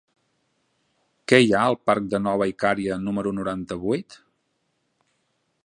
Què hi ha al parc de Nova Icària número noranta-vuit?